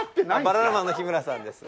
バナナマンの日村さんです。